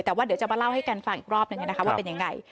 แต่ว่าเดี๋ยวจะมาเล่าให้กันฟังอีกรอบหนึ่งนะคะว่าเป็นยังไง